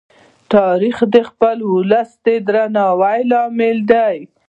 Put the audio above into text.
تاریخ د خپل ولس د درناوي لامل دی.